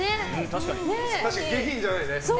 確かに下品じゃないね。